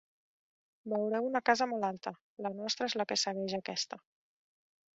Veureu una casa molt alta: la nostra és la que segueix aquesta.